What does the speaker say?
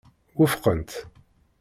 Wufqent.